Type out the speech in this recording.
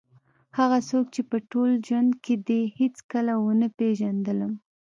هغه څوک چې په ټول ژوند کې دې هېڅکله ونه پېژندلم.